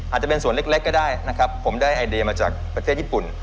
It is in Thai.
อาจจะเป็นส่วนเล็กก็ได้นะครับผมได้ไอเดียมาจากประเทศญี่ปุ่น